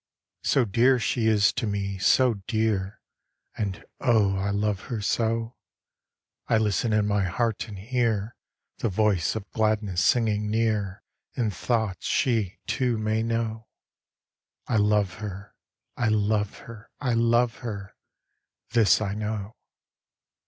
So dear she is to me, so dear, And, oh, I love her so, I listen in my heart and hear The voice of gladness singing near In thoughts she, too, may know. I love her, I love her, I love her, This I know.